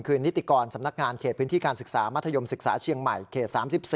คือนิติกรสำนักงานเขตพื้นที่การศึกษามัธยมศึกษาเชียงใหม่เขต๓๔